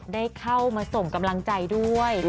ได้เข้ามาส่งกำลังใจด้วย